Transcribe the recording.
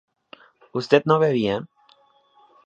¿usted no bebía?